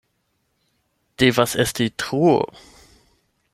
Devas esti truo!